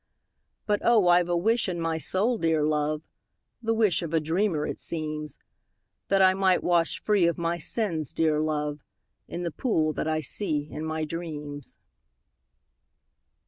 But, oh, I 've a wish in my soul, dear love, (The wish of a dreamer, it seems,) That I might wash free of my sins, dear love, In the pool that I see in my dreams.